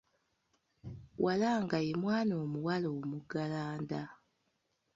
Walaanga ye mwana omuwala omuggalanda